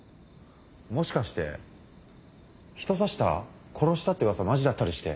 もしかして人刺した殺したって噂マジだったりして。